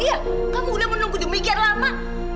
iya kamu udah menunggu demikian lama